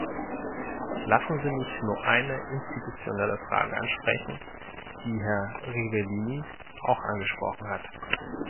Lassen Sie mich nur eine institutionelle Frage ansprechen, die Herr Rivellini auch angesprochen hat.